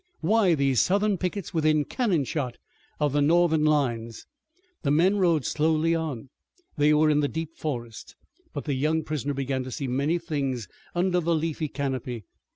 Why these Southern pickets within cannon shot of the Northern lines? The men rode slowly on. They were in the deep forest, but the young prisoner began to see many things under the leafy canopy.